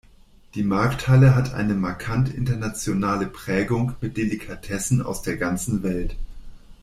Die Markthalle hat eine markant internationale Prägung mit Delikatessen aus der ganzen Welt.